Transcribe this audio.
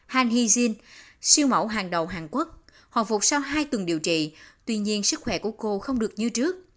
han hee jin siêu mẫu hàng đầu hàn quốc hồi phục sau hai tuần điều trị tuy nhiên sức khỏe của cô không được như trước